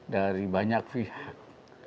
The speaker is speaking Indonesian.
dari banyak pihak